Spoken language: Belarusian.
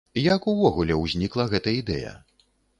Як увогуле ўзнікла гэта ідэя?